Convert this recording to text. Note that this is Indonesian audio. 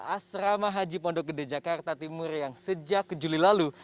asrama haji pondok gede jakarta timur yang sejak kejuli lalu